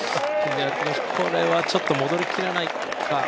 これはちょっと戻りきらないか。